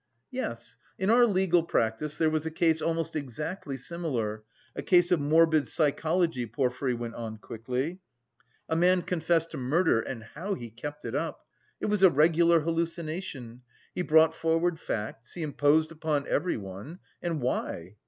"Yes, in our legal practice there was a case almost exactly similar, a case of morbid psychology," Porfiry went on quickly. "A man confessed to murder and how he kept it up! It was a regular hallucination; he brought forward facts, he imposed upon everyone and why?